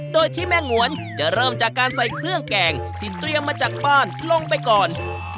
โดยที่แม่งวนจะเริ่มจากการใส่เครื่องแกงที่เตรียมมาจากบ้านลงไปก่อน